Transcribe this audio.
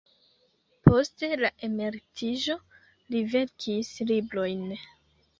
Post la emeritiĝo li verkis librojn.